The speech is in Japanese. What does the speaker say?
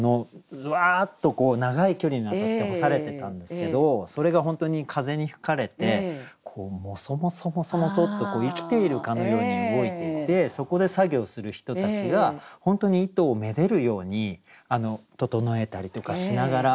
ワーッと長い距離にわたって干されてたんですけどそれが本当に風に吹かれてこうモソモソモソモソッと生きているかのように動いていてそこで作業する人たちが本当に糸をめでるように整えたりとかしながら。